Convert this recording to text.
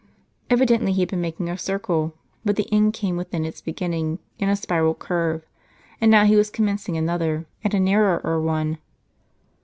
Evidently he had been making a circle ; but the end came within its beginning, in a spiral curve, and now he was commencing another and a narrower one.